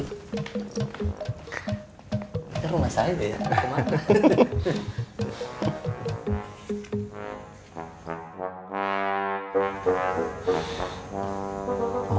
saya mau masak aja ya